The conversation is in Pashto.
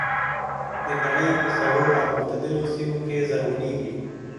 د نړۍ په سړو او معتدلو سیمو کې زرغونېږي.